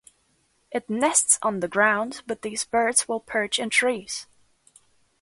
It nests on the ground, but these birds will perch in trees.